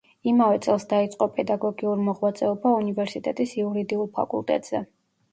იმავე წელს დაიწყო პედაგოგიურ მოღვაწეობა უნივერსიტეტის იურიდიულ ფაკულტეტზე.